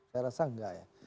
saya rasa enggak